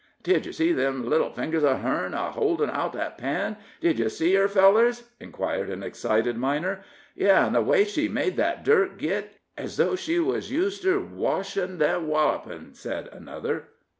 "Did yer see them little fingers uv hern a holdin' out that pan? did yer see her, fellers?" inquired an excited miner. "Yes, an' the way she made that dirt git, ez though she was useder to washin' than wallopin'," said another.